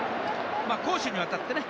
攻守にわたってね。